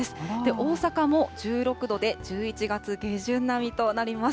大阪も１６度で１１月下旬並みとなります。